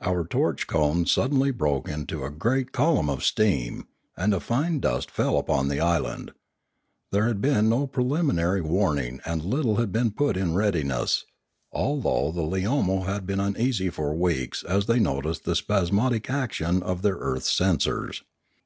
Our torch cone sud denly broke into a great column of steam, and a fine dust fell upon the island. There had been no prelim inary warning and little had been put in readiness, al though the Leomo had been uneasy for weeks as they noticed the spasmodic action of their earth sensors.